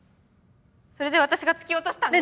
それで私が突き落としたんです。